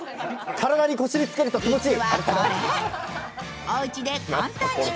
体に、腰につけると気持ちいい。